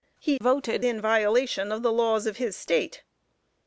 He voted in violation of the laws of his State.